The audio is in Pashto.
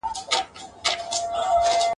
د زمري د مشکلاتو سلاکار وو ..